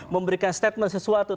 memberikan statement sesuatu